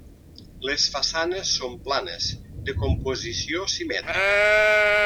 Les façanes són planes, de composició simètrica.